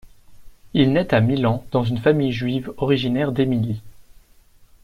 Il nait à Milan dans une famille juive originaire d'Émilie.